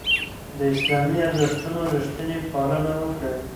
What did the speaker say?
د اسلامي ارزښتونو رښتینې پالنه وکړئ.